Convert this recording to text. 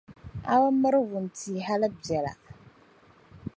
A bɛ miri wuntia hali bela.